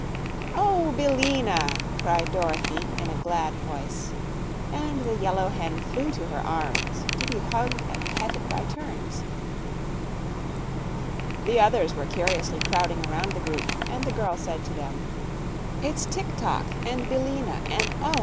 "Oh, Billina!" cried Dorothy, in a glad voice, and the yellow hen flew to her arms, to be hugged and petted by turns. The others were curiously crowding around the group, and the girl said to them: "It's Tik tok and Billina; and oh!